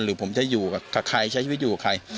หรือผมจะอยู่กับใครใช้ชีวิตอยู่กับใคร